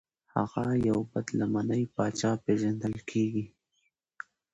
هغه یو بد لمنی پاچا پیژندل کیږي.